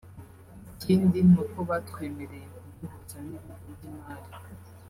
ikindi ni uko batwemereye kuduhuza n’ibigo by’imari